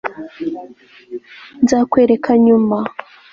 nzakwereka nyuma